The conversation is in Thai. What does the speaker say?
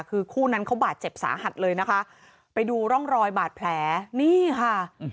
คือคู่นั้นเขาบาดเจ็บสาหัสเลยนะคะไปดูร่องรอยบาดแผลนี่ค่ะ